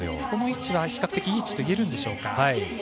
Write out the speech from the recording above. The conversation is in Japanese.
この位置は比較的いい位置といえるのでしょうか。